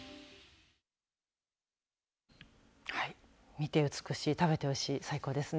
見て美しい、食べておいしい最高ですね。